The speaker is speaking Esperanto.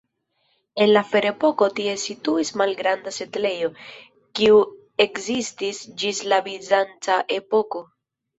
En la Ferepoko tie situis malgranda setlejo, kiu ekzistis ĝis la bizanca epoko.